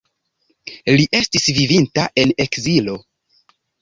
Li estis vivinta en ekzilo.